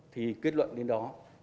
thì kết luận đến đó